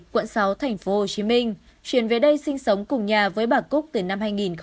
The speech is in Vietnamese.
quận sáu tp hcm chuyển về đây sinh sống cùng nhà với bà cúc từ năm hai nghìn một mươi